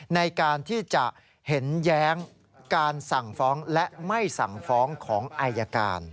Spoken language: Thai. ในการที่จะเห็นแย้งการสั่งฟ้องและไม่สั่งฟ้องของอายการ